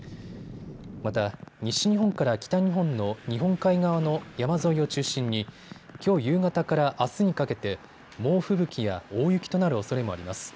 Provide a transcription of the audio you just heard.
また、西日本から北日本の日本海側の山沿いを中心にきょう夕方からあすにかけて猛吹雪や大雪となるおそれもあります。